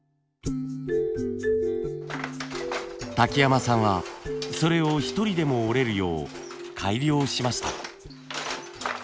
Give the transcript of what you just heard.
瀧山さんはそれを１人でも織れるよう改良しました。